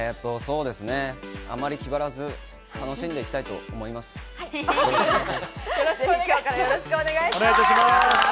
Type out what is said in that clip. あまり気張らず、楽しんでいよろしくお願いします。